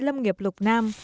lâm nghiệp lục nam